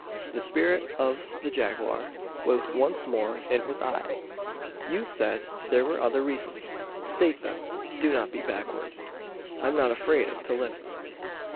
The spirit of the jaguar was once more in his eye. "You said there were other reasons. State them! Do not be backward. I'm not afraid to listen."